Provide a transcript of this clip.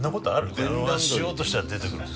電話しようとしたら出てくるって。